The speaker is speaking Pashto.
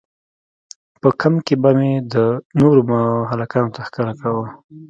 په کمپ کښې به مې نورو هلکانو ته ښکاره کاوه.